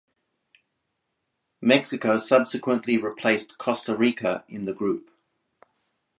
Mexico subsequently replaced Costa Rica in the group.